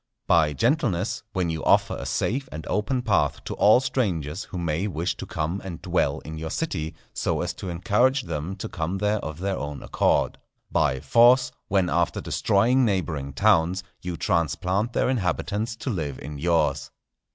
By gentleness, when you offer a safe and open path to all strangers who may wish to come and dwell in your city, so as to encourage them to come there of their own accord; by force, when after destroying neighbouring towns, you transplant their inhabitants to live in yours.